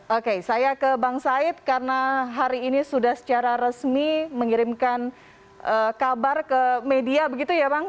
oke saya ke bang said karena hari ini sudah secara resmi mengirimkan kabar ke media begitu ya bang